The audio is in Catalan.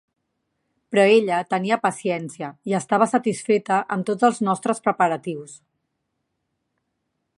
Però ella tenia paciència i estava satisfeta amb tots els nostres preparatius.